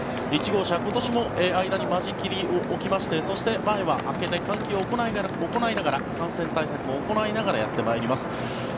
１号車、今年も間に間仕切りを置きましてそして、前は明けて換気を行いながら感染対策を行いながらやってまいります。